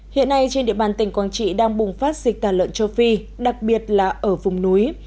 hiện nay trên địa bàn tỉnh quảng trị đang bùng phát dịch tả lợn châu phi đặc biệt là ở vùng núi